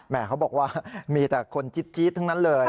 เขาบอกว่ามีแต่คนจี๊ดทั้งนั้นเลย